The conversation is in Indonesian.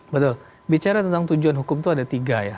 betul bicara tentang tujuan hukum itu ada tiga ya